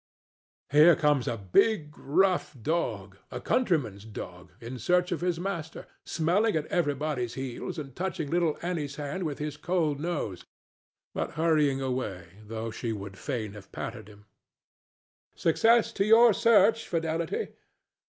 Here comes a big, rough dog—a countryman's dog—in search of his master, smelling at everybody's heels and touching little Annie's hand with his cold nose, but hurrying away, though she would fain have patted him.—Success to your search, Fidelity!